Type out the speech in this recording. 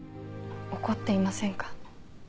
怒っていませんか？